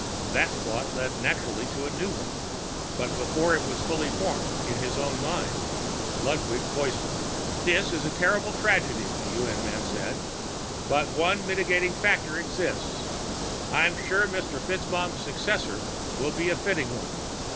That thought led naturally to a new one, but before it was fully formed in his own mind, Ludwig voiced it. "This is a terrible tragedy," the UN man said. "But one mitigating factor exists. I'm sure Mr. FitzMaugham's successor will be a fitting one.